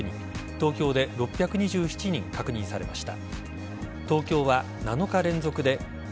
東京で６２７人確認されました。